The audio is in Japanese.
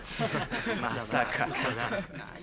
まさかな。